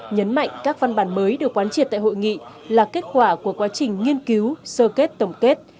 nhấn mạnh các văn bản mới được quán triệt tại hội nghị là kết quả của quá trình nghiên cứu sơ kết tổng kết